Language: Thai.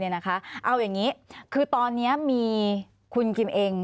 เอาอย่างนี้คือตอนนี้มีคุณคิมเอง